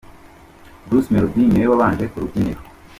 Bruce Melodie niwe wabanje ku rubyiniro.